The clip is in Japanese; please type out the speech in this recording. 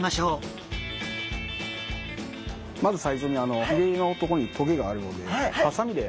まず最初に鰭のとこに棘があるのでハサミで。